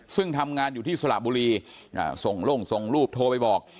ซึ่งทำงานอยู่ที่สระบุรีส่งลงส่งรูปโทรไปบอก